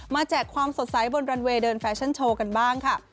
แจกความสดใสบนรันเวย์เดินแฟชั่นโชว์กันบ้างค่ะ